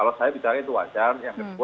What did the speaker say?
yang saya bilang jadi wajar